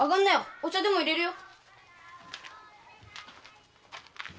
お茶でも淹れるよ。